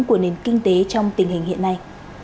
của nền kinh tế trong tình hình hiện nay